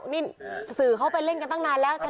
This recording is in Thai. นี่สื่อเขาไปเล่นกันตั้งนานแล้วใช่ไหม